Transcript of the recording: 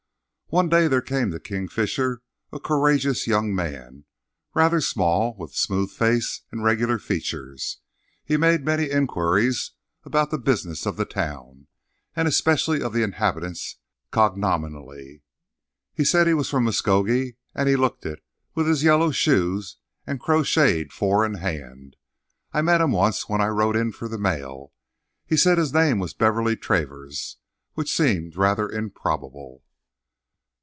One day there came to Kingfisher a courageous young man, rather small, with smooth face and regular features. He made many inquiries about the business of the town, and especially of the inhabitants cognominally. He said he was from Muscogee, and he looked it, with his yellow shoes and crocheted four in hand. I met him once when I rode in for the mail. He said his name was Beverly Travers, which seemed rather improbable.